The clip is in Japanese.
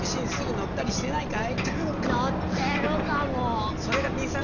乗ってるかも。